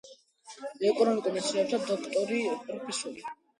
ეკონომიკურ მეცნიერებათა დოქტორი, პროფესორი.